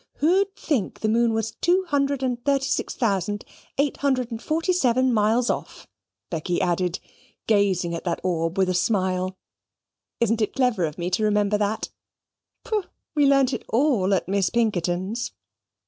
Who'd think the moon was two hundred and thirty six thousand eight hundred and forty seven miles off?" Becky added, gazing at that orb with a smile. "Isn't it clever of me to remember that? Pooh! we learned it all at Miss Pinkerton's!